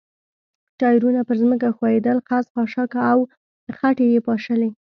ټایرونه پر ځمکه ښویېدل، خس، خاشاک او خټې یې پاشلې.